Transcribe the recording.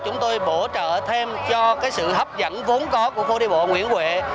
chúng tôi bổ trợ thêm cho cái sự hấp dẫn vốn có của phố đi bộ nguyễn huệ